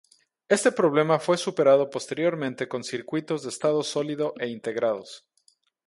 Este problema fue superado posteriormente con circuitos de estado sólido e integrados.